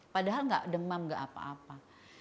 padahal enggak demam enggak apa apa